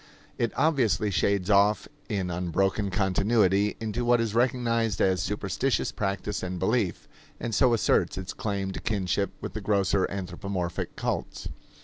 It obviously shades off in unbroken continuity into what is recognized as superstitious practice and belief, and so asserts its claim to kinship with the grosser anthropomorphic cults.